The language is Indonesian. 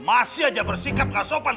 masih aja bersikap gak sopan